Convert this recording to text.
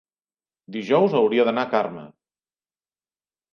dijous hauria d'anar a Carme.